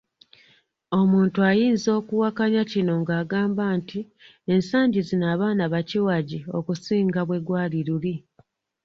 Omuntu ayinza okuwakanya kino ng’agamba nti ensangi zino abaana bakiwagi okusinga bwe gwali luli.